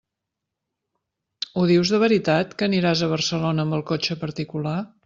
Ho dius de veritat que aniràs a Barcelona amb el cotxe particular?